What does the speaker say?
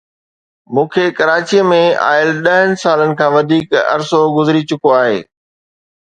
مون کي ڪراچيءَ ۾ آيل ڏهن سالن کان وڌيڪ عرصو گذري چڪو آهي